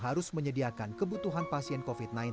harus menyediakan kebutuhan pasien covid sembilan belas